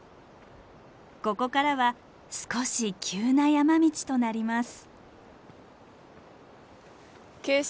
ここからは少し急な山道となります。